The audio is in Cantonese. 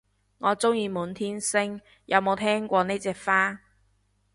我鍾意滿天星，有冇聽過呢隻花